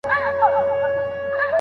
چې د وختونو له خدايانو څخه ساه واخلمه